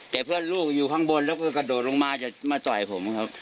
แต่เพื่อนลูกอยู่ข้างบนแล้วก็กระโดดลงมาจะมาต่อยผมครับ